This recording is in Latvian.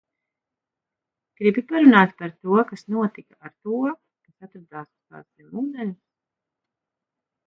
Gribi parunāt par to, kas notika ar to, kas atradās uz tās zemūdenes?